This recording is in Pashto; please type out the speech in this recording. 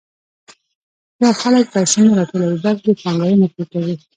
هوښیار خلک پیسې نه راټولوي، بلکې پانګونه پرې کوي.